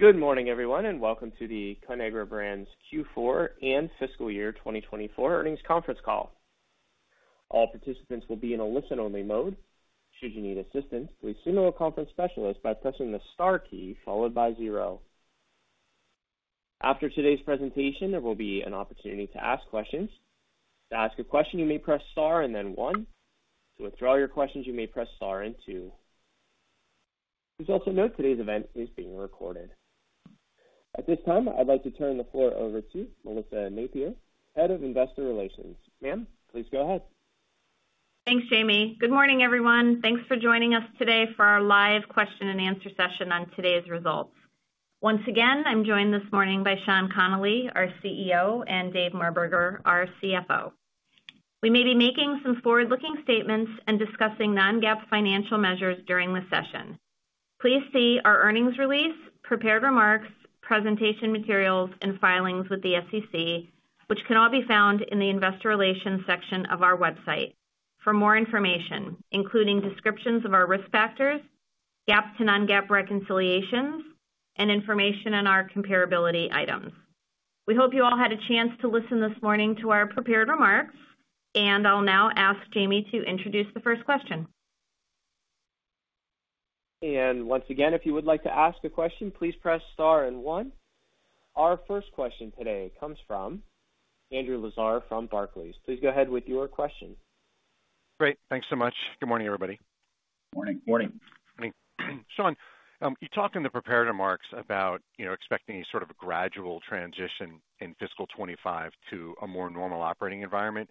Good morning, everyone, and welcome to the Conagra Brands Q4 and fiscal year 2024 earnings conference call. All participants will be in a listen-only mode. Should you need assistance, please signal a conference specialist by pressing the star key followed by zero. After today's presentation, there will be an opportunity to ask questions. To ask a question, you may press star and then one. To withdraw your questions, you may press star and two. Please also note today's event is being recorded. At this time, I'd like to turn the floor over to Melissa Napier, Head of Investor Relations. Ma'am, please go ahead. Thanks, Jamie. Good morning, everyone. Thanks for joining us today for our live question and answer session on today's results. Once again, I'm joined this morning by Sean Connolly, our CEO, and Dave Marberger, our CFO. We may be making some forward-looking statements and discussing non-GAAP financial measures during this session. Please see our earnings release, prepared remarks, presentation materials, and filings with the SEC, which can all be found in the Investor Relations section of our website for more information, including descriptions of our risk factors, GAAP to non-GAAP reconciliations, and information on our comparability items. We hope you all had a chance to listen this morning to our prepared remarks, and I'll now ask Jamie to introduce the first question. Once again, if you would like to ask a question, please press star and one. Our first question today comes from Andrew Lazar from Barclays. Please go ahead with your question. Great. Thanks so much. Good morning, everybody. Morning. Morning. Sean, you talked in the prepared remarks about, you know, expecting a sort of a gradual transition in fiscal 2025 to a more normal operating environment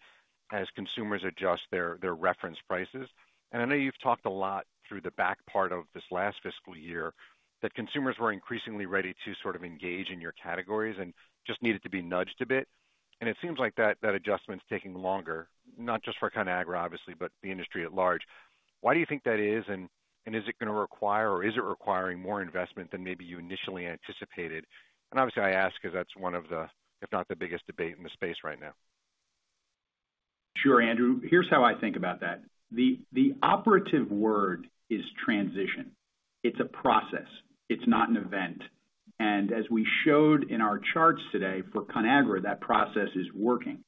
as consumers adjust their reference prices. And I know you've talked a lot through the back part of this last fiscal year, that consumers were increasingly ready to sort of engage in your categories and just needed to be nudged a bit. And it seems like that adjustment is taking longer, not just for Conagra, obviously, but the industry at large. Why do you think that is? And is it gonna require, or is it requiring more investment than maybe you initially anticipated? And obviously, I ask because that's one of the, if not the biggest debate in the space right now. Sure, Andrew. Here's how I think about that. The operative word is transition. It's a process, it's not an event. And as we showed in our charts today, for Conagra, that process is working.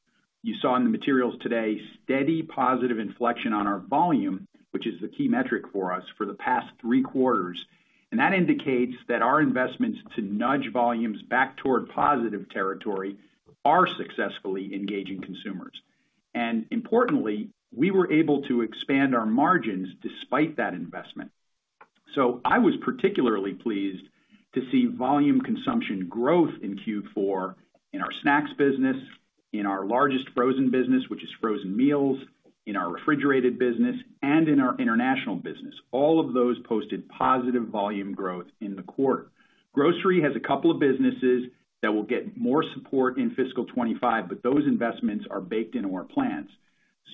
You saw in the materials today steady positive inflection on our volume, which is the key metric for us for the past three quarters, and that indicates that our investments to nudge volumes back toward positive territory are successfully engaging consumers. And importantly, we were able to expand our margins despite that investment. So I was particularly pleased to see volume consumption growth in Q4 in our snacks business, in our largest frozen business, which is frozen meals, in our refrigerated business, and in our international business. All of those posted positive volume growth in the quarter. Grocery has a couple of businesses that will get more support in fiscal 2025, but those investments are baked into our plans.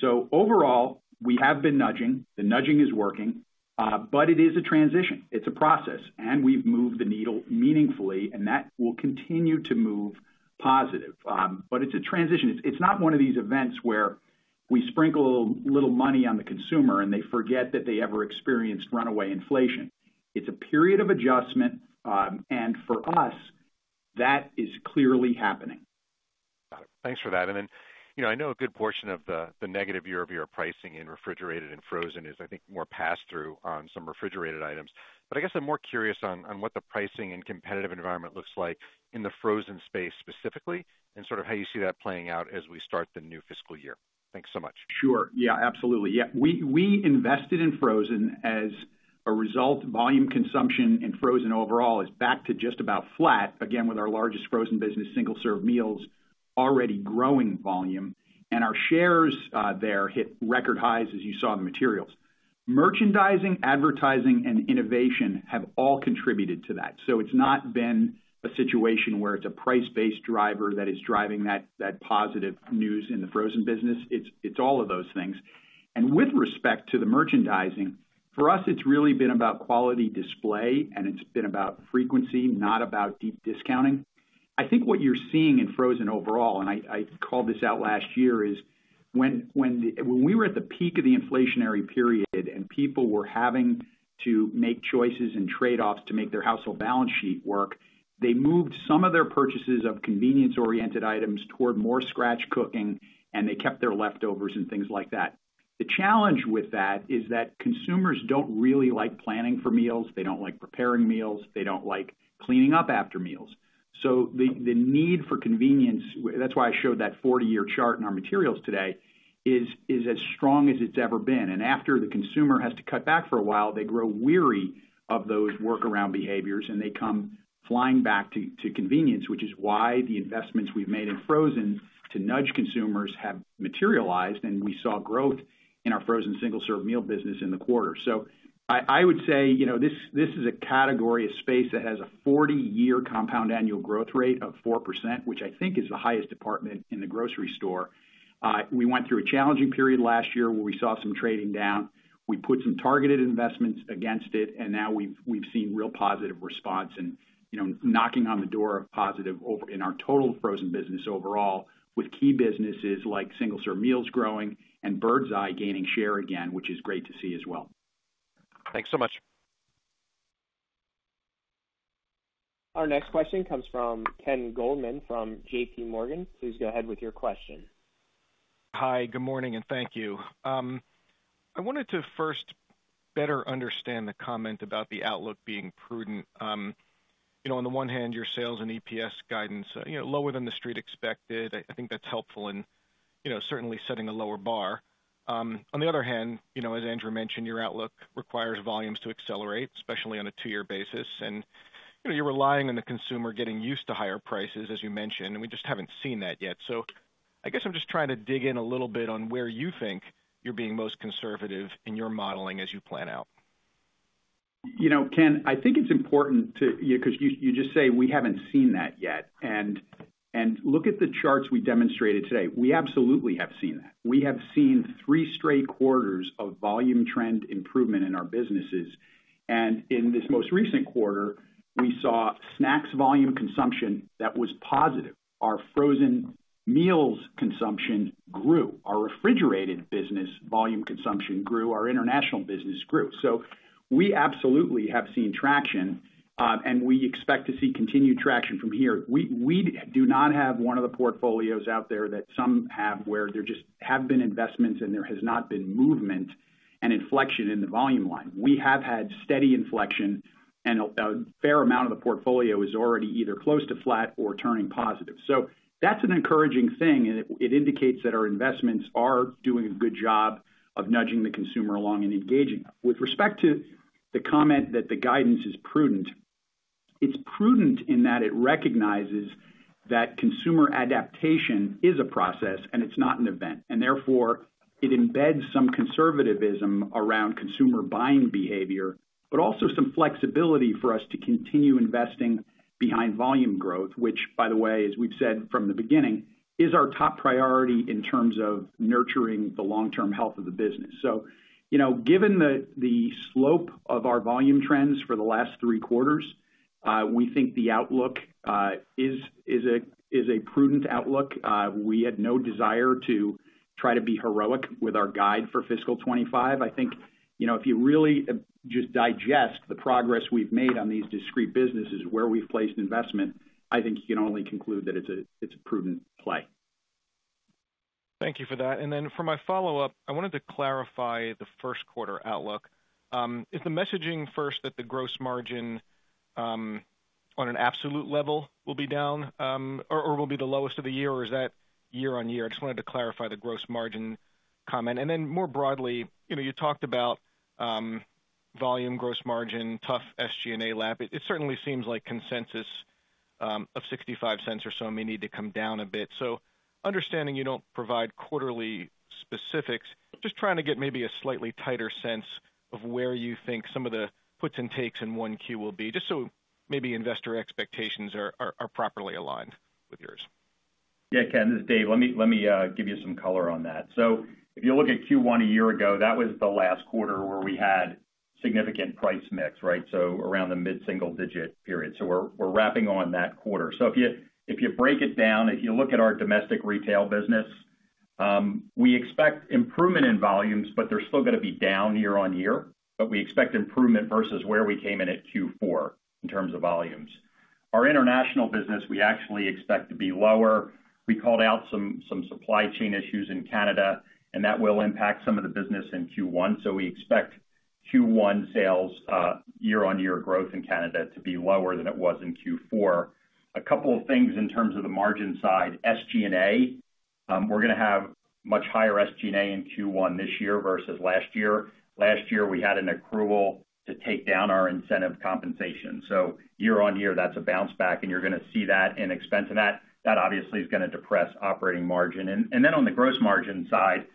So overall, we have been nudging. The nudging is working, but it is a transition, it's a process, and we've moved the needle meaningfully, and that will continue to move positive. But it's a transition. It's not one of these events where we sprinkle a little, little money on the consumer, and they forget that they ever experienced runaway inflation. It's a period of adjustment, and for us, that is clearly happening. Got it. Thanks for that. And then, you know, I know a good portion of the negative year-over-year pricing in refrigerated and frozen is, I think, more pass-through on some refrigerated items. But I guess I'm more curious on what the pricing and competitive environment looks like in the frozen space specifically, and sort of how you see that playing out as we start the new fiscal year. Thanks so much. Sure. Yeah, absolutely. Yeah, we, we invested in frozen as a result. Volume consumption and frozen overall is back to just about flat, again, with our largest frozen business, single-serve meals, already growing volume. And our shares there hit record highs, as you saw in the materials. Merchandising, advertising, and innovation have all contributed to that. So it's not been a situation where it's a price-based driver that is driving that positive news in the frozen business. It's all of those things. And with respect to the merchandising, for us, it's really been about quality display, and it's been about frequency, not about deep discounting. I think what you're seeing in frozen overall, and I called this out last year, is when the when we were at the peak of the inflationary period and people were having to make choices and trade-offs to make their household balance sheet work, they moved some of their purchases of convenience-oriented items toward more scratch cooking, and they kept their leftovers and things like that. The challenge with that is that consumers don't really like planning for meals, they don't like preparing meals, they don't like cleaning up after meals. So the need for convenience, that's why I showed that 40-year chart in our materials today, is as strong as it's ever been. After the consumer has to cut back for a while, they grow weary of those workaround behaviors, and they come flying back to convenience, which is why the investments we've made in frozen to nudge consumers have materialized, and we saw growth in our frozen single-serve meal business in the quarter. So I would say, you know, this is a category, a space that has a 40-year compound annual growth rate of 4%, which I think is the highest department in the grocery store. We went through a challenging period last year where we saw some trading down. We put some targeted investments against it, and now we've seen real positive response and-... you know, knocking on the door of positive over in our total frozen business overall, with key businesses like single-serve meals growing and Birds Eye gaining share again, which is great to see as well. Thanks so much. Our next question comes from Ken Goldman from JPMorgan. Please go ahead with your question. Hi, good morning, and thank you. I wanted to first better understand the comment about the outlook being prudent. You know, on the one hand, your sales and EPS guidance, you know, lower than the street expected. I think that's helpful in, you know, certainly setting a lower bar. On the other hand, you know, as Andrew mentioned, your outlook requires volumes to accelerate, especially on a two-year basis. You know, you're relying on the consumer getting used to higher prices, as you mentioned, and we just haven't seen that yet. So I guess I'm just trying to dig in a little bit on where you think you're being most conservative in your modeling as you plan out. You know, Ken, I think it's important to you, 'cause you just say we haven't seen that yet. And look at the charts we demonstrated today. We absolutely have seen that. We have seen three straight quarters of volume trend improvement in our businesses, and in this most recent quarter, we saw snacks volume consumption that was positive. Our frozen meals consumption grew, our refrigerated business volume consumption grew, our international business grew. So we absolutely have seen traction, and we expect to see continued traction from here. We do not have one of the portfolios out there that some have, where there just have been investments and there has not been movement and inflection in the volume line. We have had steady inflection, and a fair amount of the portfolio is already either close to flat or turning positive. So that's an encouraging thing, and it indicates that our investments are doing a good job of nudging the consumer along and engaging them. With respect to the comment that the guidance is prudent, it's prudent in that it recognizes that consumer adaptation is a process, and it's not an event. And therefore, it embeds some conservatism around consumer buying behavior, but also some flexibility for us to continue investing behind volume growth, which, by the way, as we've said from the beginning, is our top priority in terms of nurturing the long-term health of the business. So, you know, given the slope of our volume trends for the last three quarters, we think the outlook is a prudent outlook. We had no desire to try to be heroic with our guide for fiscal 2025. I think, you know, if you really just digest the progress we've made on these discrete businesses where we've placed investment, I think you can only conclude that it's a, it's a prudent play. Thank you for that. And then for my follow-up, I wanted to clarify the first quarter outlook. Is the messaging first that the gross margin, on an absolute level, will be down, or, or will be the lowest of the year, or is that year-on-year? I just wanted to clarify the gross margin comment. And then more broadly, you know, you talked about, volume, gross margin, tough SG&A lap. It certainly seems like consensus of $0.65 or so may need to come down a bit. So understanding you don't provide quarterly specifics, just trying to get maybe a slightly tighter sense of where you think some of the puts and takes in 1Q will be, just so maybe investor expectations are properly aligned with yours. Yeah, Ken, this is Dave. Let me give you some color on that. So if you look at Q1 a year ago, that was the last quarter where we had significant price mix, right? So around the mid-single digit period. So we're wrapping on that quarter. So if you break it down, if you look at our domestic retail business, we expect improvement in volumes, but they're still gonna be down year-on-year. But we expect improvement versus where we came in at Q4 in terms of volumes. Our international business, we actually expect to be lower. We called out some supply chain issues in Canada, and that will impact some of the business in Q1. So we expect Q1 sales year-on-year growth in Canada to be lower than it was in Q4. A couple of things in terms of the margin side, SG&A, we're gonna have much higher SG&A in Q1 this year versus last year. Last year, we had an accrual to take down our incentive compensation. So year-over-year, that's a bounce back, and you're gonna see that in expense, and that obviously is gonna depress operating margin. Then on the gross margin side,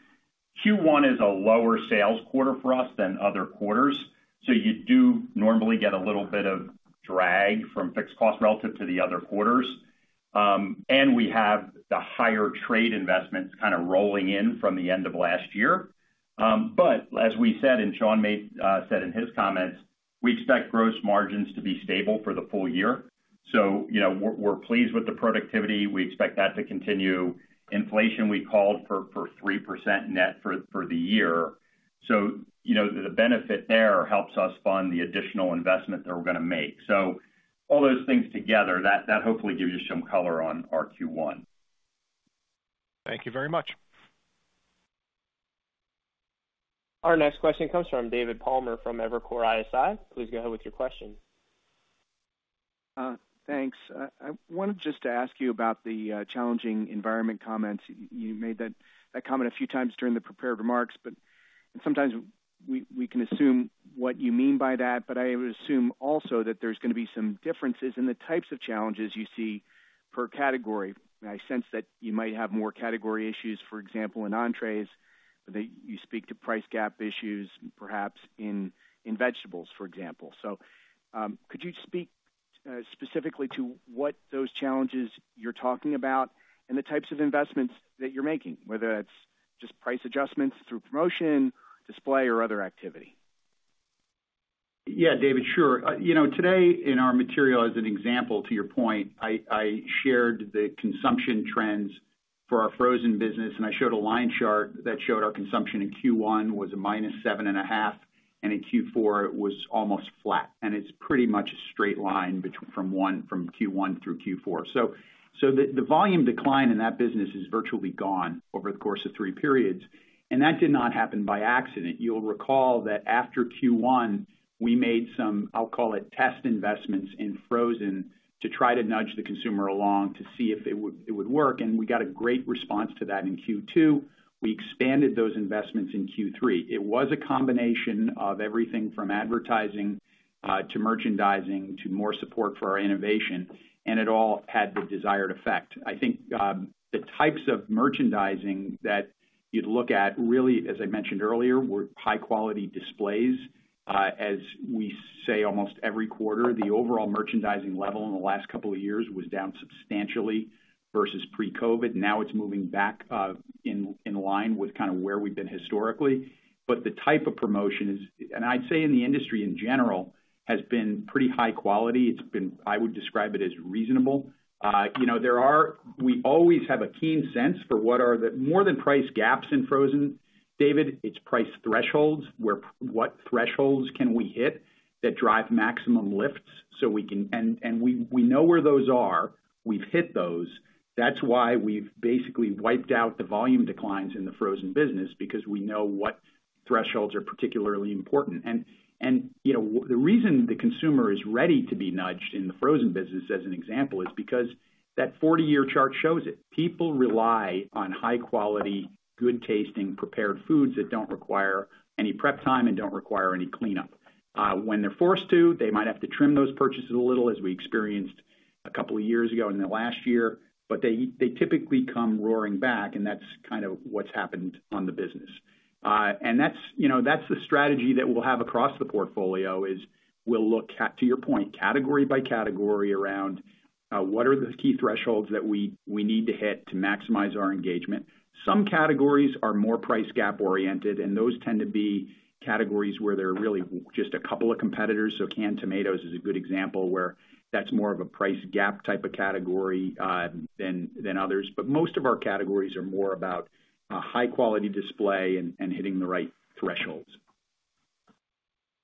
Q1 is a lower sales quarter for us than other quarters, so you do normally get a little bit of drag from fixed costs relative to the other quarters. And we have the higher trade investments kind of rolling in from the end of last year. But as we said, and Sean said in his comments, we expect gross margins to be stable for the full year. So, you know, we're pleased with the productivity. We expect that to continue. Inflation, we called for 3% net for the year. So, you know, the benefit there helps us fund the additional investment that we're gonna make. So all those things together, that hopefully gives you some color on our Q1. Thank you very much. Our next question comes from David Palmer, from Evercore ISI. Please go ahead with your question. Thanks. I wanted just to ask you about the challenging environment comments. You made that comment a few times during the prepared remarks, but sometimes we can assume what you mean by that, but I would assume also that there's gonna be some differences in the types of challenges you see per category. I sense that you might have more category issues, for example, in entrées, that you speak to price gap issues, perhaps in vegetables, for example. So, could you speak specifically to what those challenges you're talking about and the types of investments that you're making, whether that's just price adjustments through promotion, display, or other activity? Yeah, David, sure. You know, today in our material, as an example, to your point, I shared the consumption trends for our frozen business, and I showed a line chart that showed our consumption in Q1 was -7.5, and in Q4, it was almost flat. It's pretty much a straight line from Q1 through Q4. So the volume decline in that business is virtually gone over the course of three periods, and that did not happen by accident. You'll recall that after Q1, we made some, I'll call it, test investments in frozen to try to nudge the consumer along to see if it would work, and we got a great response to that in Q2. We expanded those investments in Q3. It was a combination of everything from advertising to merchandising to more support for our innovation, and it all had the desired effect. I think the types of merchandising that you'd look at, really, as I mentioned earlier, were high-quality displays. As we say, almost every quarter, the overall merchandising level in the last couple of years was down substantially versus pre-COVID. Now it's moving back in line with kind of where we've been historically. But the type of promotion is... and I'd say in the industry, in general, has been pretty high quality. It's been. I would describe it as reasonable. You know, we always have a keen sense for what are the more than price gaps in frozen, David. It's price thresholds, where what thresholds can we hit that drive maximum lifts so we can and we know where those are. We've hit those. That's why we've basically wiped out the volume declines in the frozen business, because we know what thresholds are particularly important. And, you know, the reason the consumer is ready to be nudged in the frozen business, as an example, is because that 40-year chart shows it. People rely on high quality, good tasting, prepared foods that don't require any prep time and don't require any cleanup. When they're forced to, they might have to trim those purchases a little, as we experienced a couple of years ago and then last year, but they, they typically come roaring back, and that's kind of what's happened on the business. And that's, you know, that's the strategy that we'll have across the portfolio, is we'll look at, to your point, category by category around, what are the key thresholds that we, we need to hit to maximize our engagement. Some categories are more price gap oriented, and those tend to be categories where there are really just a couple of competitors. So canned tomatoes is a good example where that's more of a price gap type of category, than, than others. But most of our categories are more about, high quality display and, and hitting the right thresholds.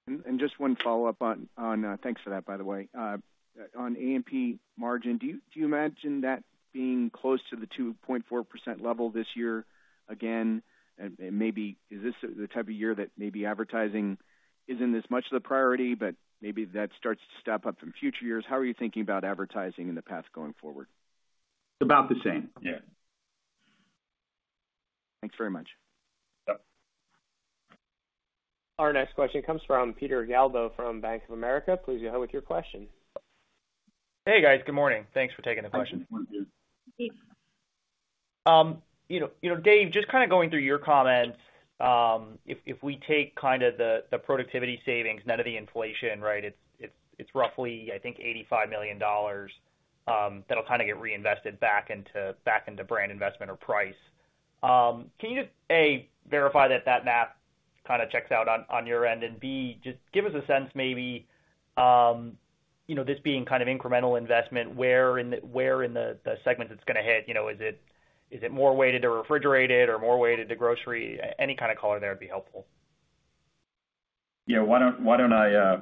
And just one follow-up on, thanks for that, by the way. On A&P margin, do you imagine that being close to the 2.4% level this year again? And maybe is this the type of year that maybe advertising isn't as much of the priority, but maybe that starts to step up in future years? How are you thinking about advertising in the path going forward? About the same. Yeah. Thanks very much. Yep. Our next question comes from Peter Galbo, from Bank of America. Please go ahead with your question. Hey, guys. Good morning. Thanks for taking the question. Good morning. You know, Dave, just kind of going through your comments, if we take kind of the productivity savings, none of the inflation, right, it's roughly, I think, $85 million, that'll kind of get reinvested back into brand investment or price. Can you just, A, verify that math kind of checks out on your end, and B, just give us a sense, maybe, you know, this being kind of incremental investment, where in the segments it's gonna hit? You know, is it more weighted to refrigerated or more weighted to grocery? Any kind of color there would be helpful. Yeah, why don't I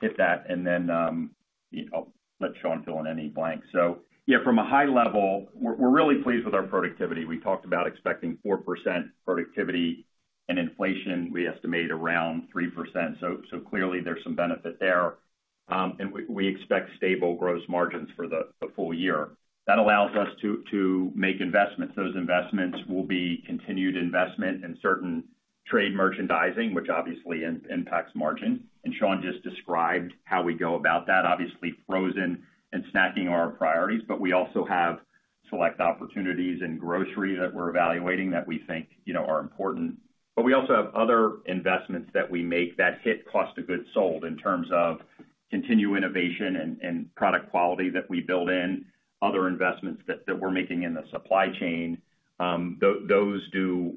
hit that, and then, you know, I'll let Sean fill in any blanks. So, yeah, from a high level, we're really pleased with our productivity. We talked about expecting 4% productivity and inflation; we estimate around 3%. So clearly there's some benefit there. And we expect stable gross margins for the full year. That allows us to make investments. Those investments will be continued investment in certain trade merchandising, which obviously impacts margin. And Sean just described how we go about that. Obviously, frozen and snacking are our priorities, but we also have select opportunities in grocery that we're evaluating that we think, you know, are important. But we also have other investments that we make that hit cost of goods sold in terms of continued innovation and product quality that we build in, other investments that we're making in the supply chain. Those do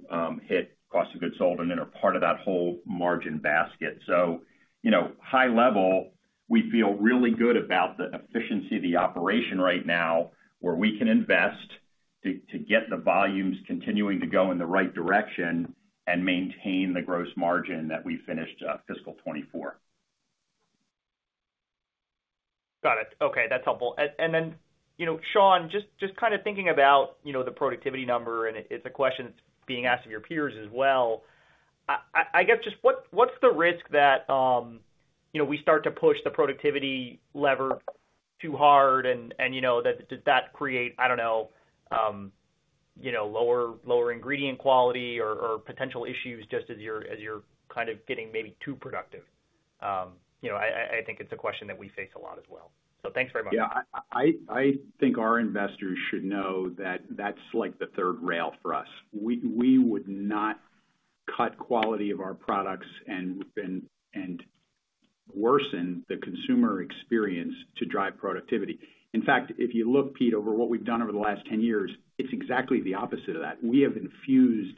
hit cost of goods sold and then are part of that whole margin basket. So, you know, high level, we feel really good about the efficiency of the operation right now, where we can invest to get the volumes continuing to go in the right direction and maintain the gross margin that we finished fiscal 2024. Got it. Okay, that's helpful. And then, you know, Sean, just kind of thinking about, you know, the productivity number, and it's a question that's being asked of your peers as well. I guess just what's the risk that, you know, we start to push the productivity lever too hard and, you know, does that create, I don't know, you know, lower ingredient quality or potential issues just as you're kind of getting maybe too productive? You know, I think it's a question that we face a lot as well. So thanks very much. Yeah, I think our investors should know that that's like the third rail for us. We would not cut quality of our products and worsen the consumer experience to drive productivity. In fact, if you look, Pete, over what we've done over the last 10 years, it's exactly the opposite of that. We have infused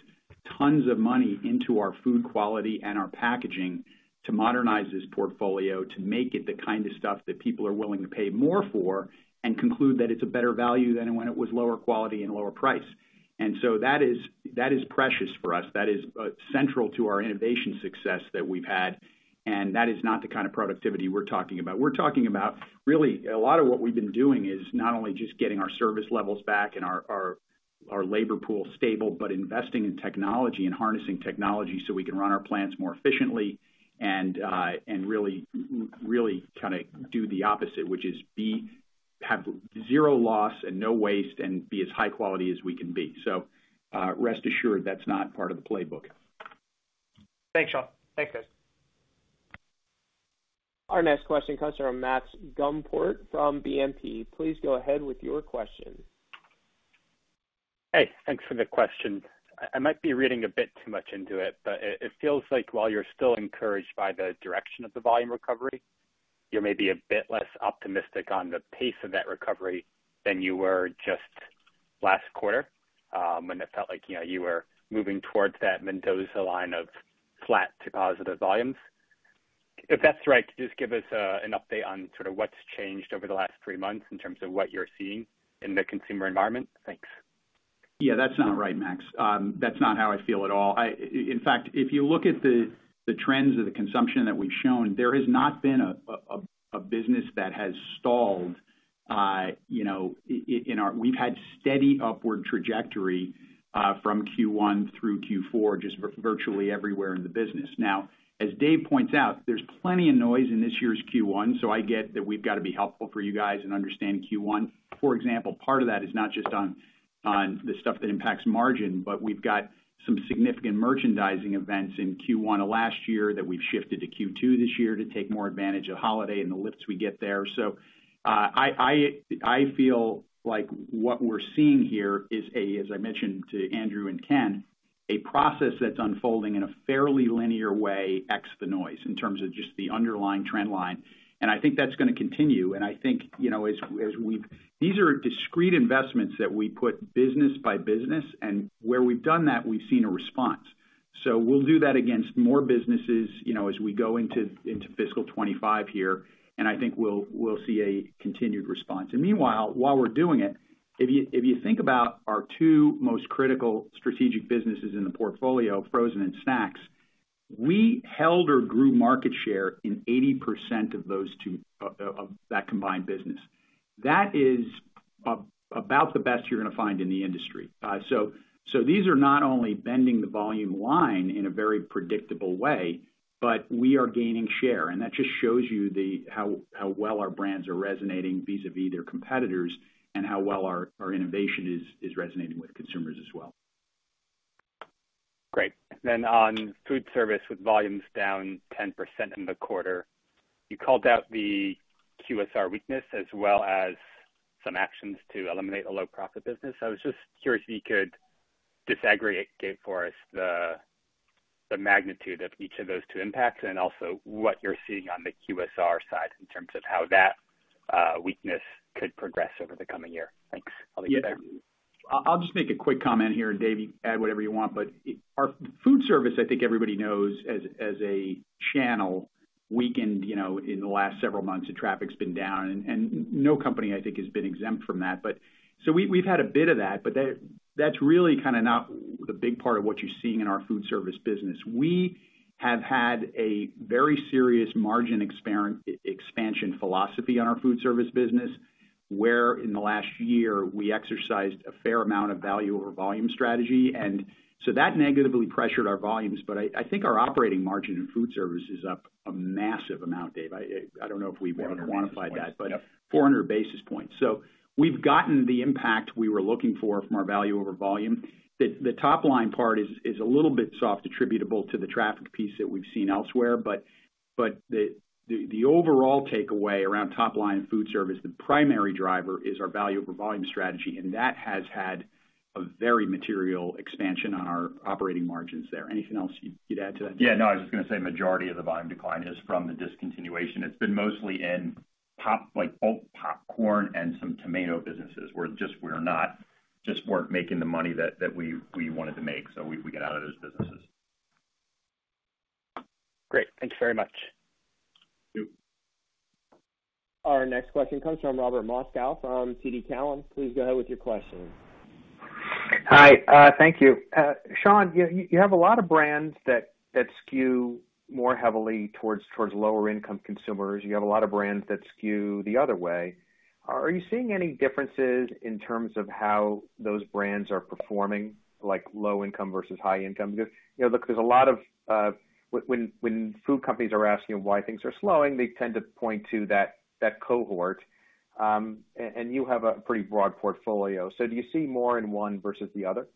tons of money into our food quality and our packaging to modernize this portfolio, to make it the kind of stuff that people are willing to pay more for and conclude that it's a better value than when it was lower quality and lower price. And so that is precious for us. That is central to our innovation success that we've had, and that is not the kind of productivity we're talking about. We're talking about, really, a lot of what we've been doing is not only just getting our service levels back and our labor pool stable, but investing in technology and harnessing technology so we can run our plants more efficiently and really kind of do the opposite, which is have zero loss and no waste and be as high quality as we can be. So, rest assured, that's not part of the playbook. Thanks, Sean. Thanks, guys. Our next question comes from Max Gumport from BNP. Please go ahead with your question. Hey, thanks for the question. I might be reading a bit too much into it, but it feels like while you're still encouraged by the direction of the volume recovery, you may be a bit less optimistic on the pace of that recovery than you were just last quarter, when it felt like, you know, you were moving towards that Mendoza Line of flat to positive volumes. If that's right, could you just give us an update on sort of what's changed over the last three months in terms of what you're seeing in the consumer environment? Thanks. Yeah, that's not right, Max. That's not how I feel at all. In fact, if you look at the trends of the consumption that we've shown, there has not been a business that has stalled, you know, in our... We've had steady upward trajectory from Q1 through Q4, just virtually everywhere in the business. Now, as Dave points out, there's plenty of noise in this year's Q1, so I get that we've got to be helpful for you guys and understand Q1. For example, part of that is not just on the stuff that impacts margin, but we've got some significant merchandising events in Q1 of last year that we've shifted to Q2 this year to take more advantage of holiday and the lifts we get there. So, I feel like what we're seeing here is, as I mentioned to Andrew and Ken, a process that's unfolding in a fairly linear way, ex the noise, in terms of just the underlying trend line. And I think that's gonna continue, and I think, you know, as we've—these are discrete investments that we put business by business, and where we've done that, we've seen a response. So we'll do that against more businesses, you know, as we go into fiscal 2025 here, and I think we'll see a continued response. And meanwhile, while we're doing it, if you think about our two most critical strategic businesses in the portfolio, frozen and snacks, we held or grew market share in 80% of those two, of that combined business. That is about the best you're gonna find in the industry. So these are not only bending the volume line in a very predictable way, but we are gaining share, and that just shows you how well our brands are resonating vis-à-vis their competitors, and how well our innovation is resonating with consumers as well. Great. Then on Foodservice, with volumes down 10% in the quarter, you called out the QSR weakness as well as some actions to eliminate a low profit business. I was just curious if you could disaggregate, Dave, for us, the magnitude of each of those two impacts, and also what you're seeing on the QSR side in terms of how that weakness could progress over the coming year. Thanks. I'll leave it there. Yeah. I'll just make a quick comment here, and Dave, you can add whatever you want. But our Foodservice, I think everybody knows, as a channel, weakened, you know, in the last several months, the traffic's been down, and no company, I think, has been exempt from that. But so we, we've had a bit of that, but that's really kind of not the big part of what you're seeing in our Foodservice business. We have had a very serious margin expansion philosophy on our Foodservice business, where in the last year, we exercised a fair amount of value over volume strategy. And so that negatively pressured our volumes, but I think our operating margin in Foodservice is up a massive amount, Dave. I don't know if we've ever quantified that- 400 basis points. But 400 basis points. So we've gotten the impact we were looking for from our value over volume. The top line part is a little bit soft, attributable to the traffic piece that we've seen elsewhere, but the overall takeaway around top line Foodservice, the primary driver is our value over volume strategy, and that has had a very material expansion on our operating margins there. Anything else you'd add to that? Yeah, no, I was just gonna say majority of the volume decline is from the discontinuation. It's been mostly in pop, like, bulk popcorn and some tomato businesses, where just we're not just weren't making the money that we wanted to make, so we got out of those businesses. Great. Thank you very much. Thank you. Our next question comes from Robert Moskow from TD Cowen. Please go ahead with your question. Hi, thank you. Sean, you have a lot of brands that skew more heavily towards lower income consumers. You have a lot of brands that skew the other way. Are you seeing any differences in terms of how those brands are performing, like low income versus high income? Because, you know, look, there's a lot of... When food companies are asking why things are slowing, they tend to point to that cohort, and you have a pretty broad portfolio. So do you see more in one versus the other?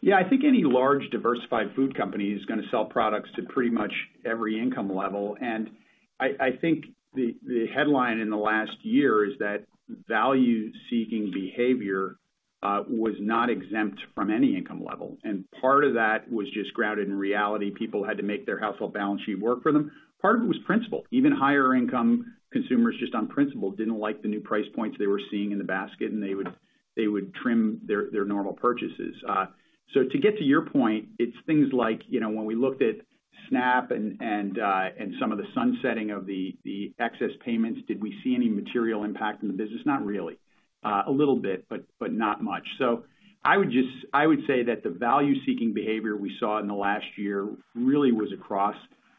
Yeah, I think any large, diversified food company is gonna sell products to pretty much every income level, and I think the headline in the last year is that value-seeking behavior was not exempt from any income level, and part of that was just grounded in reality. People had to make their household balance sheet work for them. Part of it was principle. Even higher income consumers, just on principle, didn't like the new price points they were seeing in the basket, and they would trim their normal purchases. So to get to your point, it's things like, you know, when we looked at SNAP and some of the sunsetting of the excess payments, did we see any material impact in the business? Not really. A little bit, but not much. So I would say that the value-seeking behavior we saw in the last year really was across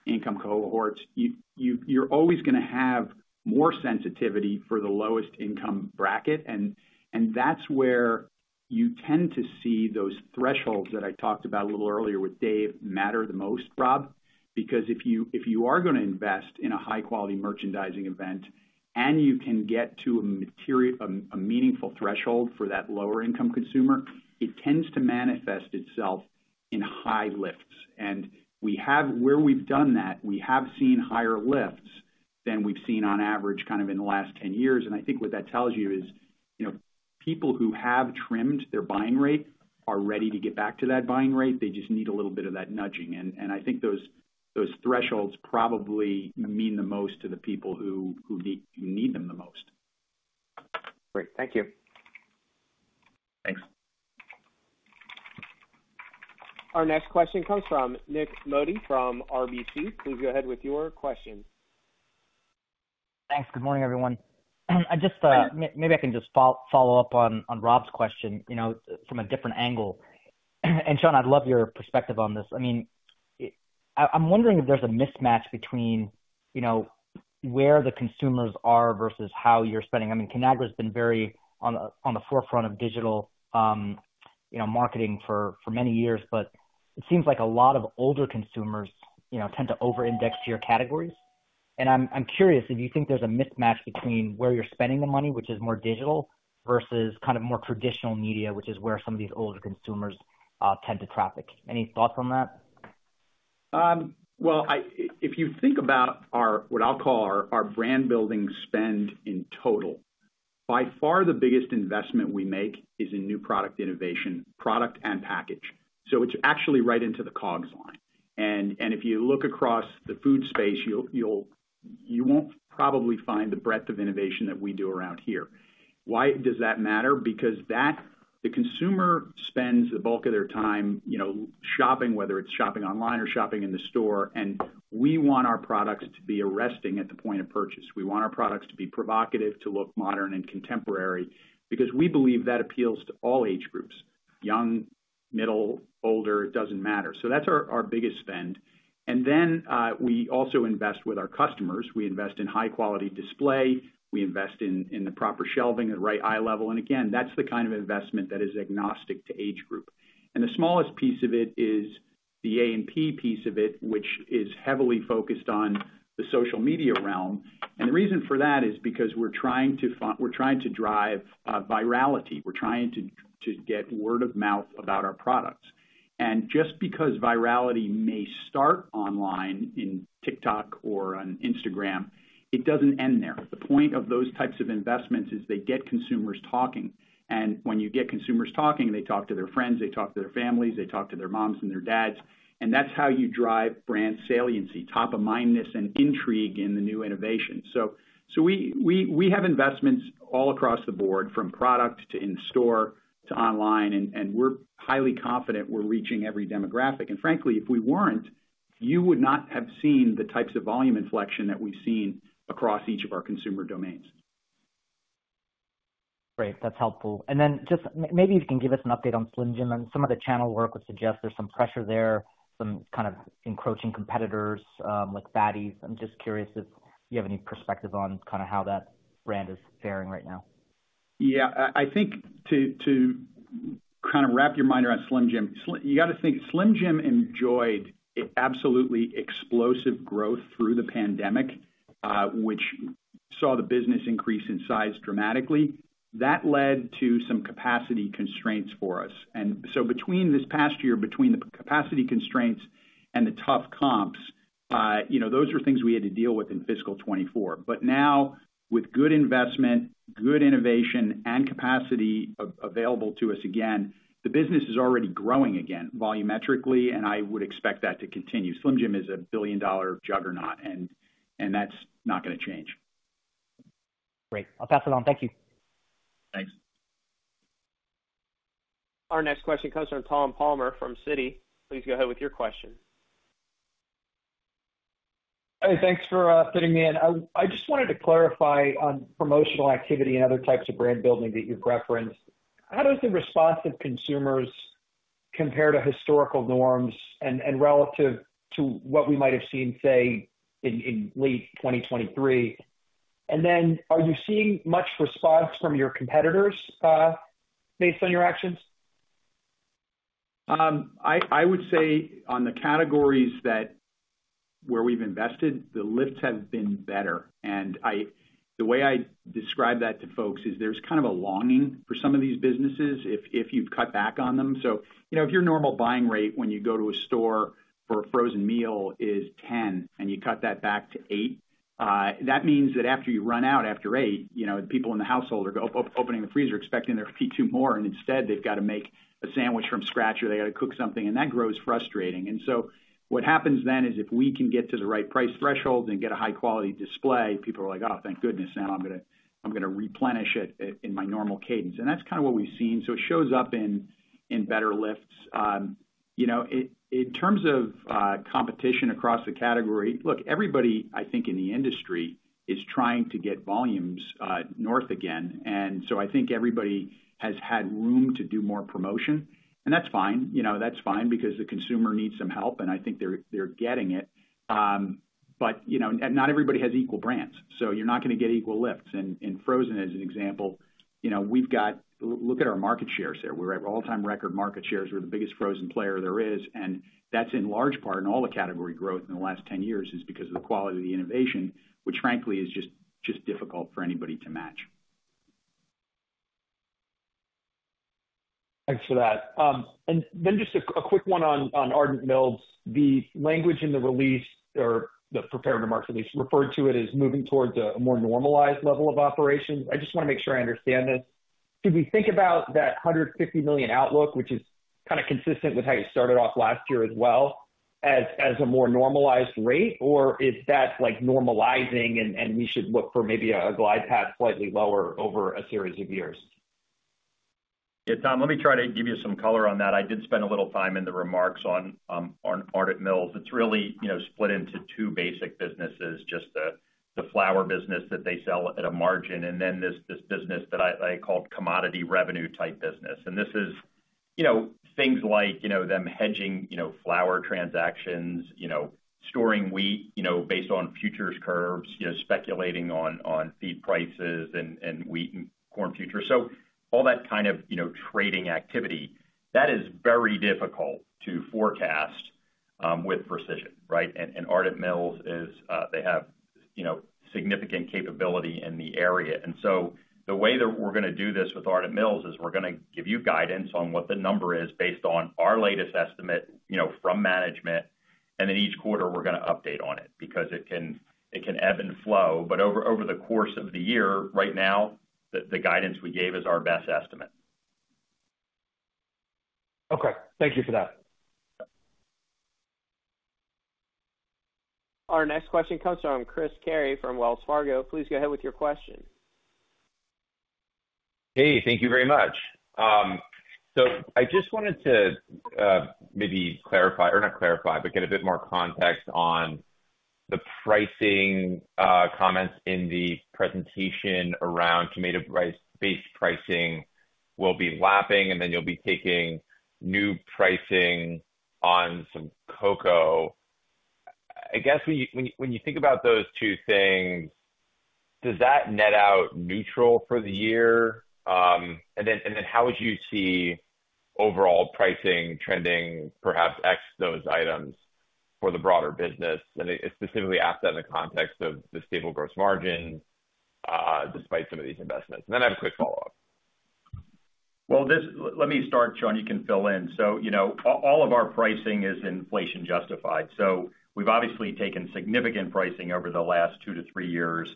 income cohorts. You, you're always gonna have more sensitivity for the lowest income bracket, and that's where you tend to see those thresholds that I talked about a little earlier with Dave matter the most, Rob. Because if you are gonna invest in a high quality merchandising event, and you can get to a meaningful threshold for that lower income consumer, it tends to manifest itself in high lifts. And where we've done that, we have seen higher lifts than we've seen on average, kind of, in the last 10 years. And I think what that tells you is, you know, people who have trimmed their buying rate are ready to get back to that buying rate. They just need a little bit of that nudging. And I think those thresholds probably mean the most to the people who need them the most. Great. Thank you. Thanks. Our next question comes from Nik Modi, from RBC. Please go ahead with your question. Thanks. Good morning, everyone. I just... Maybe I can just follow up on Rob's question, you know, from a different angle. And, Sean, I'd love your perspective on this. I mean, I'm wondering if there's a mismatch between, you know, where the consumers are versus how you're spending. I mean, Conagra has been very on the forefront of digital, you know, marketing for many years, but it seems like a lot of older consumers, you know, tend to over-index to your categories. And I'm curious if you think there's a mismatch between where you're spending the money, which is more digital, versus kind of more traditional media, which is where some of these older consumers tend to traffic. Any thoughts on that? Well, if you think about our, what I'll call our brand building spend in total, by far, the biggest investment we make is in new product innovation, product and package, so it's actually right into the COGS line. And if you look across the food space, you'll, you won't probably find the breadth of innovation that we do around here. Why does that matter? Because that, the consumer spends the bulk of their time, you know, shopping, whether it's shopping online or shopping in the store, and we want our products to be arresting at the point of purchase. We want our products to be provocative, to look modern and contemporary, because we believe that appeals to all age groups: young, middle, older, it doesn't matter. So that's our biggest spend. And then, we also invest with our customers. We invest in high quality display, we invest in, in the proper shelving at the right eye level, and again, that's the kind of investment that is agnostic to age group. And the smallest piece of it is the A&P piece of it, which is heavily focused on the social media realm. And the reason for that is because we're trying to—we're trying to drive virality. We're trying to, to get word of mouth about our products. And just because virality may start online, in TikTok or on Instagram, it doesn't end there. The point of those types of investments is they get consumers talking, and when you get consumers talking, they talk to their friends, they talk to their families, they talk to their moms and their dads, and that's how you drive brand saliency, top of mindness and intrigue in the new innovation. So we have investments all across the board, from product to in-store to online, and we're highly confident we're reaching every demographic. And frankly, if we weren't, you would not have seen the types of volume inflection that we've seen across each of our consumer domains. Great, that's helpful. And then just maybe if you can give us an update on Slim Jim and some of the channel work would suggest there's some pressure there, some kind of encroaching competitors, like Fatties. I'm just curious if you have any perspective on kind of how that brand is faring right now? Yeah, I think to kind of wrap your mind around Slim Jim, you got to think, Slim Jim enjoyed absolutely explosive growth through the pandemic, which saw the business increase in size dramatically. That led to some capacity constraints for us. And so between this past year, between the capacity constraints and the tough comps, you know, those are things we had to deal with in fiscal 2024. But now, with good investment, good innovation, and capacity available to us again, the business is already growing again, volumetrically, and I would expect that to continue. Slim Jim is a billion-dollar juggernaut, and that's not gonna change. Great. I'll pass it on. Thank you. Thanks. Our next question comes from Tom Palmer, from Citi. Please go ahead with your question. Hey, thanks for fitting me in. I just wanted to clarify on promotional activity and other types of brand building that you've referenced. How does the response of consumers compare to historical norms and relative to what we might have seen, say, in late 2023? And then, are you seeing much response from your competitors based on your actions? I would say on the categories that... where we've invested, the lifts have been better, and I- ...The way I describe that to folks is there's kind of a longing for some of these businesses if you've cut back on them. So, you know, if your normal buying rate when you go to a store for a frozen meal is 10 and you cut that back to eight, that means that after you run out after eight, you know, the people in the household are opening the freezer expecting there to be two more, and instead, they've got to make a sandwich from scratch, or they gotta cook something, and that grows frustrating. And so what happens then is if we can get to the right price threshold and get a high-quality display, people are like, "Oh, thank goodness, now I'm gonna replenish it in my normal cadence." And that's kinda what we've seen. So it shows up in better lifts. You know, in terms of competition across the category, look, everybody, I think, in the industry is trying to get volumes north again. And so I think everybody has had room to do more promotion, and that's fine. You know, that's fine because the consumer needs some help, and I think they're getting it. But, you know, not everybody has equal brands, so you're not gonna get equal lifts. And frozen, as an example, you know, we've got. Look at our market shares there. We're at all-time record market shares. We're the biggest frozen player there is, and that's in large part and all the category growth in the last 10 years is because of the quality of the innovation, which frankly is just difficult for anybody to match. Thanks for that. And then just a quick one on Ardent Mills. The language in the release or the prepared remarks release referred to it as moving towards a more normalized level of operations. I just wanna make sure I understand this. Do we think about that $150 million outlook, which is kinda consistent with how you started off last year as well, as a more normalized rate? Or is that, like, normalizing and we should look for maybe a glide path slightly lower over a series of years? Yeah, Tom, let me try to give you some color on that. I did spend a little time in the remarks on Ardent Mills. It's really, you know, split into two basic businesses, just the, the flour business that they sell at a margin, and then this, this business that I, I call commodity revenue type business. And this is, you know, things like, you know, them hedging, you know, flour transactions, you know, storing wheat, you know, based on futures curves, you know, speculating on, on feed prices and, and wheat and corn futures. So all that kind of, you know, trading activity, that is very difficult to forecast with precision, right? And Ardent Mills is, they have, you know, significant capability in the area. And so the way that we're gonna do this with Ardent Mills is we're gonna give you guidance on what the number is based on our latest estimate, you know, from management, and then each quarter, we're gonna update on it because it can ebb and flow. But over the course of the year, right now, the guidance we gave is our best estimate. Okay, thank you for that. Our next question comes from Chris Carey from Wells Fargo. Please go ahead with your question. Hey, thank you very much. So I just wanted to maybe clarify, or not clarify, but get a bit more context on the pricing comments in the presentation around tomato price-based pricing will be lapping, and then you'll be taking new pricing on some cocoa. I guess when you think about those two things, does that net out neutral for the year? And then how would you see overall pricing trending, perhaps X those items for the broader business? And I specifically ask that in the context of the stable gross margin despite some of these investments. And then I have a quick follow-up. Well, let me start, Sean, you can fill in. So, you know, all of our pricing is inflation justified. So we've obviously taken significant pricing over the last two to three years.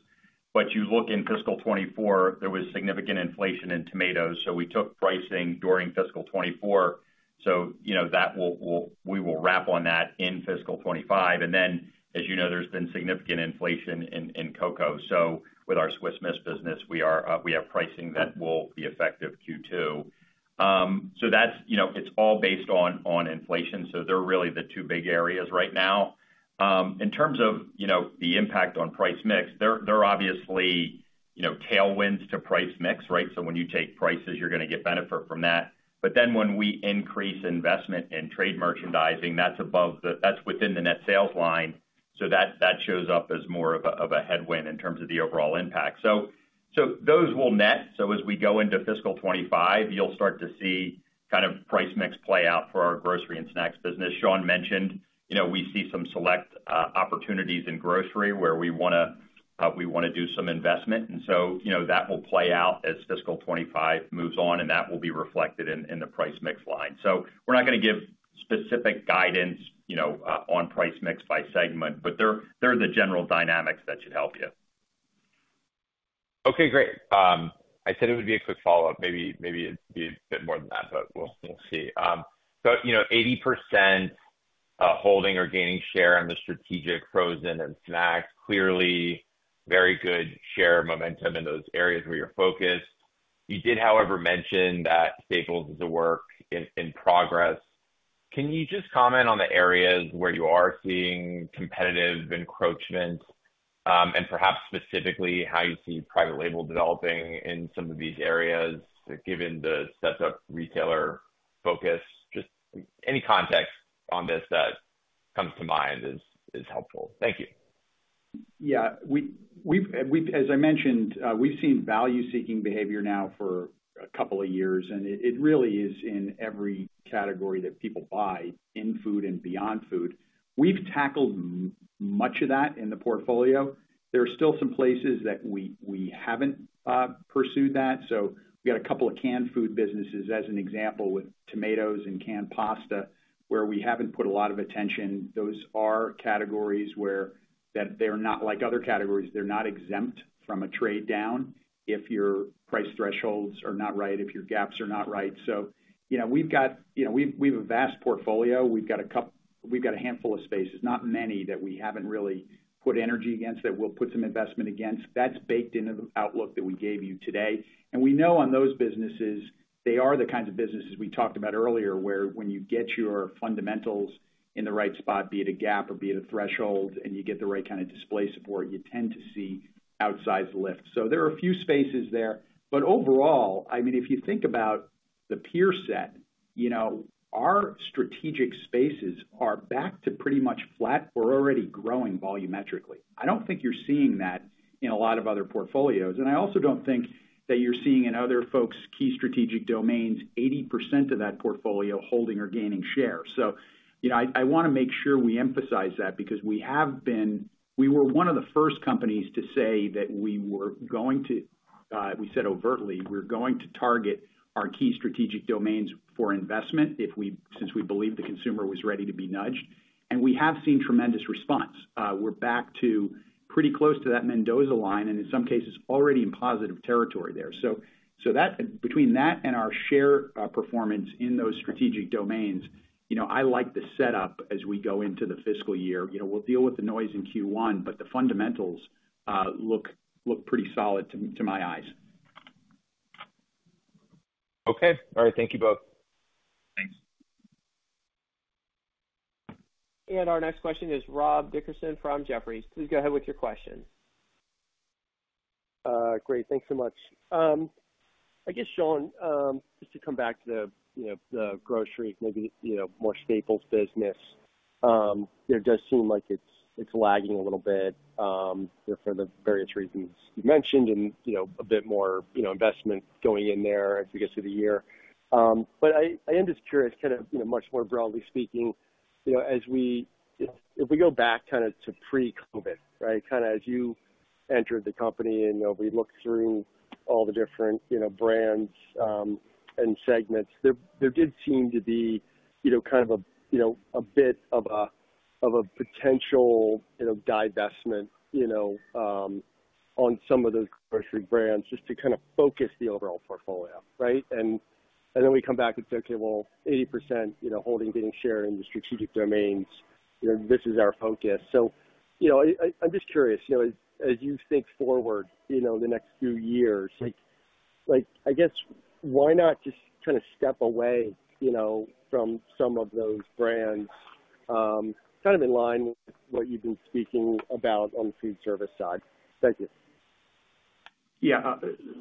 But you look in fiscal 2024, there was significant inflation in tomatoes, so we took pricing during fiscal 2024. So, you know, that will—we will wrap on that in fiscal 2025. And then, as you know, there's been significant inflation in cocoa. So with our Swiss Miss business, we are, we have pricing that will be effective Q2. So that's, you know, it's all based on inflation, so they're really the two big areas right now. In terms of, you know, the impact on price mix, there are obviously, you know, tailwinds to price mix, right? So when you take prices, you're gonna get benefit from that. But then when we increase investment in trade merchandising, that's within the net sales line, so that shows up as more of a headwind in terms of the overall impact. So those will net. So as we go into fiscal 2025, you'll start to see kind of price mix play out for our grocery and snacks business. Sean mentioned, you know, we see some select opportunities in grocery where we wanna do some investment, and so, you know, that will play out as fiscal 2025 moves on, and that will be reflected in the price mix line. So we're not gonna give specific guidance, you know, on price mix by segment, but they're the general dynamics that should help you. Okay, great. I said it would be a quick follow-up. Maybe, maybe it'd be a bit more than that, but we'll, we'll see. So, you know, 80% holding or gaining share on the strategic frozen and snacks, clearly very good share momentum in those areas where you're focused. You did, however, mention that staples is a work in progress. Can you just comment on the areas where you are seeing competitive encroachment, and perhaps specifically, how you see private label developing in some of these areas, given the set of retailer focus? Just any context on this that comes to mind is helpful. Thank you. ... Yeah, we've as I mentioned, we've seen value-seeking behavior now for a couple of years, and it really is in every category that people buy in food and beyond food. We've tackled much of that in the portfolio. There are still some places that we haven't pursued that. So we got a couple of canned food businesses, as an example, with tomatoes and canned pasta, where we haven't put a lot of attention. Those are categories where that they're not like other categories. They're not exempt from a trade down if your price thresholds are not right, if your gaps are not right. So you know, we've got, you know, we've a vast portfolio. We've got a handful of spaces, not many, that we haven't really put energy against, that we'll put some investment against. That's baked into the outlook that we gave you today. And we know on those businesses, they are the kinds of businesses we talked about earlier, where when you get your fundamentals in the right spot, be it a gap or be it a threshold, and you get the right kind of display support, you tend to see outsized lift. So there are a few spaces there. But overall, I mean, if you think about the peer set, you know, our strategic spaces are back to pretty much flat or already growing volumetrically. I don't think you're seeing that in a lot of other portfolios, and I also don't think that you're seeing in other folks' key strategic domains, 80% of that portfolio holding or gaining share. So you know, I wanna make sure we emphasize that because we have been—we were one of the first companies to say that we were going to, we said overtly, we're going to target our key strategic domains for investment since we believe the consumer was ready to be nudged, and we have seen tremendous response. We're back to pretty close to that Mendoza Line, and in some cases, already in positive territory there. So that—between that and our share performance in those strategic domains, you know, I like the setup as we go into the fiscal year. You know, we'll deal with the noise in Q1, but the fundamentals look pretty solid to my eyes. Okay, all right. Thank you both. Thanks. Our next question is Rob Dickerson from Jefferies. Please go ahead with your question. Great. Thanks so much. I guess, Sean, just to come back to the, you know, the grocery, maybe, you know, more staples business, there does seem like it's lagging a little bit, for the various reasons you mentioned and, you know, a bit more, you know, investment going in there as we get through the year. But I am just curious, kind of, you know, much more broadly speaking, you know, as we, if we go back kind of to pre-COVID, right? Kind of as you entered the company and, you know, we look through all the different, you know, brands, and segments, there did seem to be, you know, kind of a, you know, a bit of a potential, you know, divestment, you know, on some of those grocery brands just to kind of focus the overall portfolio, right? And then we come back and say, okay, well, 80%, you know, holding, getting share in the strategic domains, you know, this is our focus. So, you know, I'm just curious, you know, as you think forward, you know, the next few years, like, I guess, why not just kind of step away, you know, from some of those brands, kind of in line with what you've been speaking about on the Foodservice side? Thank you. Yeah,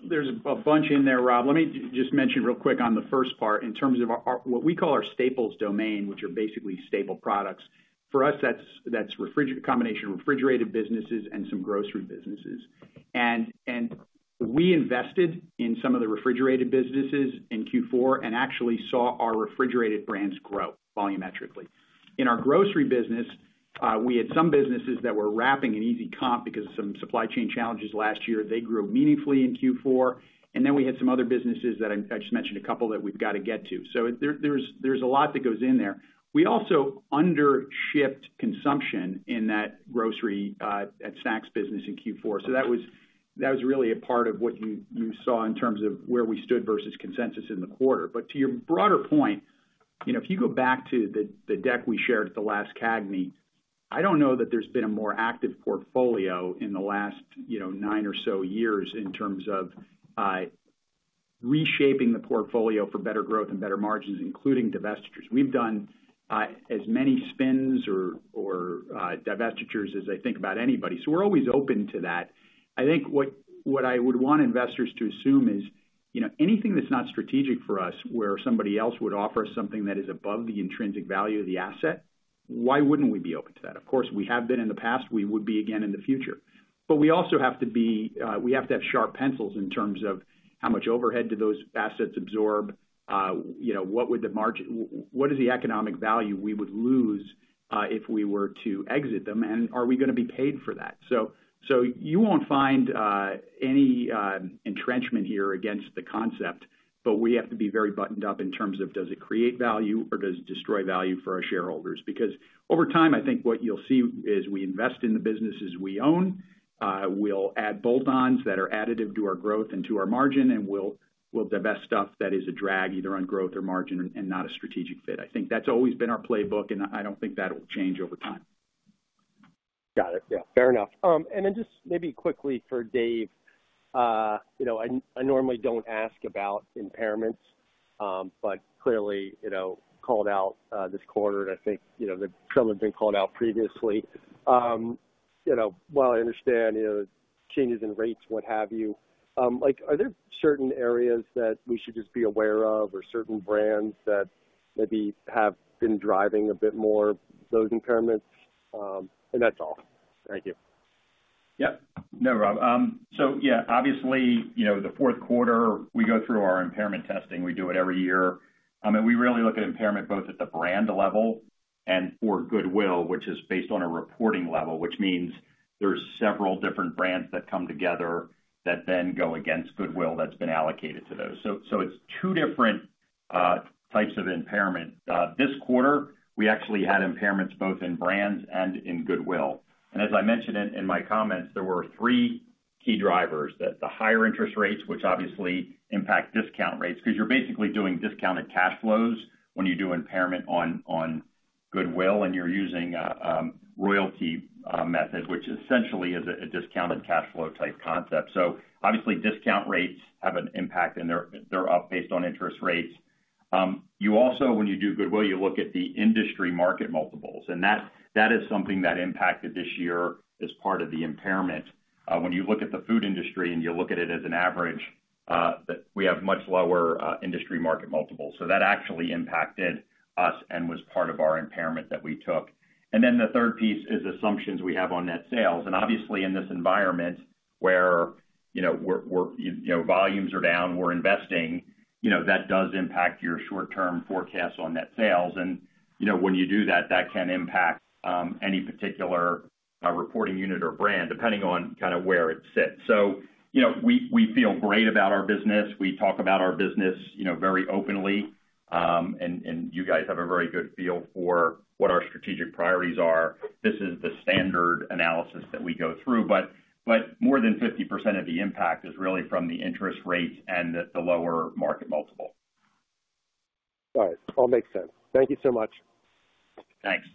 there's a bunch in there, Rob. Let me just mention real quick on the first part, in terms of our what we call our staples domain, which are basically staple products. For us, that's a combination of refrigerated businesses and some grocery businesses. And we invested in some of the refrigerated businesses in Q4 and actually saw our refrigerated brands grow volumetrically. In our grocery business, we had some businesses that were wrapping an easy comp because of some supply chain challenges last year. They grew meaningfully in Q4, and then we had some other businesses that I just mentioned a couple that we've got to get to. So there's a lot that goes in there. We also undershipped consumption in that grocery and snacks business in Q4. So that was, that was really a part of what you, you saw in terms of where we stood versus consensus in the quarter. But to your broader point, you know, if you go back to the, the deck we shared at the last CAGNY, I don't know that there's been a more active portfolio in the last, you know, nine or so years in terms of reshaping the portfolio for better growth and better margins, including divestitures. We've done as many spins or divestitures as I think about anybody, so we're always open to that. I think what I would want investors to assume is, you know, anything that's not strategic for us, where somebody else would offer something that is above the intrinsic value of the asset, why wouldn't we be open to that? Of course, we have been in the past. We would be again in the future. But we also have to be. We have to have sharp pencils in terms of how much overhead do those assets absorb? You know, what would the margin, what is the economic value we would lose, if we were to exit them, and are we gonna be paid for that? So you won't find any entrenchment here against the concept, but we have to be very buttoned up in terms of, does it create value or does it destroy value for our shareholders? Because over time, I think what you'll see is we invest in the businesses we own. We'll add bolt-ons that are additive to our growth and to our margin, and we'll divest stuff that is a drag either on growth or margin and not a strategic fit. I think that's always been our playbook, and I don't think that will change over time. Got it. Yeah, fair enough. And then just maybe quickly for Dave, you know, I normally don't ask about impairments, but clearly, you know, called out this quarter, and I think, you know, some have been called out previously. You know, while I understand, changes in rates, what have you. Like, are there certain areas that we should just be aware of, or certain brands that maybe have been driving a bit more those impairments? And that's all. Thank you. Yep. No, Rob, so yeah, obviously, you know, the fourth quarter, we go through our impairment testing. We do it every year. I mean, we really look at impairment both at the brand level and for goodwill, which is based on a reporting level, which means there's several different brands that come together that then go against goodwill that's been allocated to those. So, so it's two different, types of impairment. This quarter, we actually had impairments both in brands and in goodwill. And as I mentioned in my comments, there were three key drivers: that the higher interest rates, which obviously impact discount rates, because you're basically doing discounted cash flows when you do impairment on goodwill, and you're using, royalty, method, which essentially is a, a discounted cash flow type concept. So obviously, discount rates have an impact, and they're up based on interest rates. You also, when you do goodwill, you look at the industry market multiples, and that is something that impacted this year as part of the impairment. When you look at the food industry and you look at it as an average, that we have much lower industry market multiples. So that actually impacted us and was part of our impairment that we took. And then the third piece is assumptions we have on net sales. And obviously, in this environment where, you know, we're -- you know, volumes are down, we're investing, you know, that does impact your short-term forecast on net sales. And, you know, when you do that, that can impact any particular reporting unit or brand, depending on kinda where it sits. So, you know, we feel great about our business. We talk about our business, you know, very openly, and you guys have a very good feel for what our strategic priorities are. This is the standard analysis that we go through, but more than 50% of the impact is really from the interest rates and the lower market multiple. Got it. All makes sense. Thank you so much. Thanks.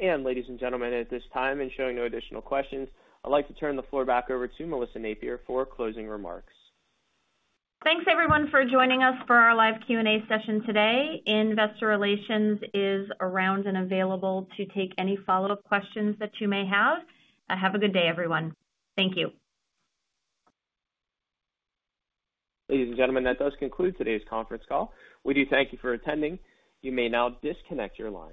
Ladies and gentlemen, at this time, and showing no additional questions, I'd like to turn the floor back over to Melissa Napier for closing remarks. Thanks, everyone, for joining us for our live Q&A session today. Investor Relations is around and available to take any follow-up questions that you may have. Have a good day, everyone. Thank you. Ladies and gentlemen, that does conclude today's conference call. We do thank you for attending. You may now disconnect your line.